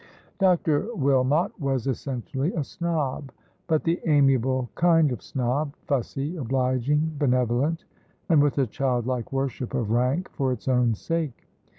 Dr. Wilmot was essentially a snob, but the amiable kind of snob, fussy, obliging, benevolent, and with a childlike worship of rank for its own sake.